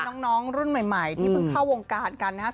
อันนี้น้องรุ่นใหม่ที่เพิ่งเข้าวงการกันนะคะ